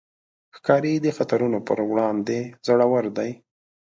ښکاري د خطرونو پر وړاندې زړور دی.